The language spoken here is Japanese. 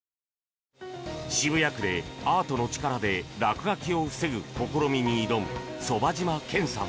渋谷区で、アートの力で落書きを防ぐ試みに挑む傍嶋賢さん。